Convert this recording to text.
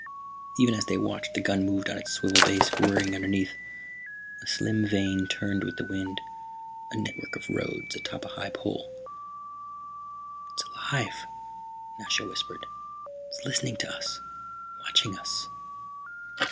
Even as they watched the gun moved on its swivel base, whirring underneath. A slim vane turned with the wind, a network of rods atop a high pole. "It's alive," Nasha whispered. "It's listening to us, watching us."